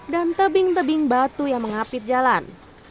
dan tebing tebing batu yang mengapit jalan